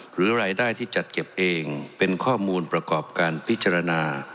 หรือรายได้ที่จัดเก็บเองเป็นข้อมูลประกอบการพิจารณา